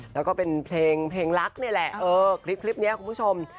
แล้วก็เป็นเพลงรักนี่แหละเออคลิปนี้คุณผู้ชม